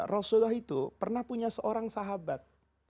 rasulullah itu pernah punya seorang sahabat